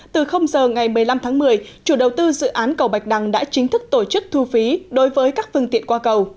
từ giờ ngày một mươi năm tháng một mươi chủ đầu tư dự án cầu bạch đăng đã chính thức tổ chức thu phí đối với các phương tiện qua cầu